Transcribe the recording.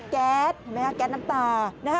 แก๊สแก๊สน้ำตา